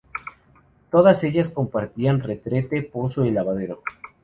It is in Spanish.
Todas ellas compartían retrete, pozo y lavadero.